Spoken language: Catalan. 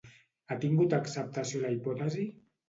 Ha tingut acceptació la hipòtesi?